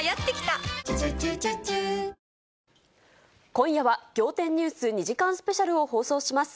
今夜は、仰天ニュース２時間スペシャルを放送します。